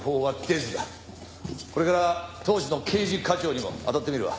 これから当時の刑事課長にもあたってみるわ。